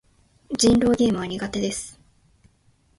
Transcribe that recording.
人狼ゲームは苦手です。